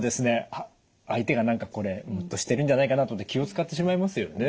あっ相手が何かこれムッとしてるんじゃないかなと思って気を遣ってしまいますよね。